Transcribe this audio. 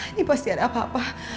ini pasti ada apa apa